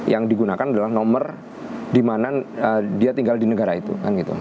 yang digunakan adalah nomor dimana dia tinggal di negara itu kan gitu